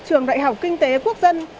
trường đại học kinh tế quốc dân